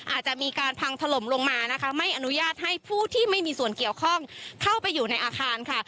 อาจจะมีการพังถล่มลงมานะคะไม่อนุญาตให้ผู้ที่ไม่มีส่วนเกี่ยวข้องเข้าไปอยู่ในอาคารค่ะ